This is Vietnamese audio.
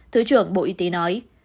thứ trưởng bộ y tế nói